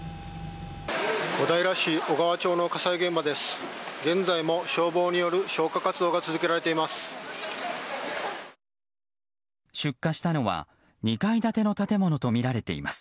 小平市小川町の火災現場です。